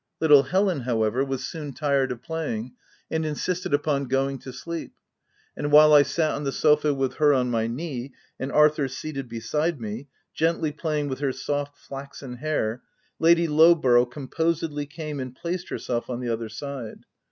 Little Helen, however, w T as soon tired of playing, and insisted upon going to sleep ; and while I sat on the sofa with her on my knee, and Arthur seated beside me, gently playing with her soft, flaxen hair, — Lady Lowborough composedly came and placed herself on the other side.